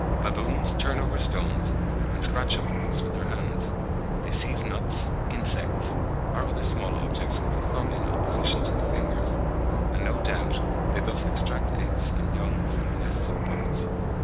Baboons turn over stones, and scratch up roots with their hands. They seize nuts, insects, or other small objects with the thumb in opposition to the fingers, and no doubt they thus extract eggs and young from the nests of birds.